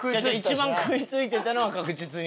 一番食い付いてたのは確実に。